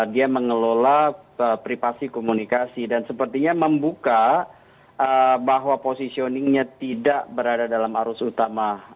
dia mengelola privasi komunikasi dan sepertinya membuka bahwa positioningnya tidak berada dalam arus utama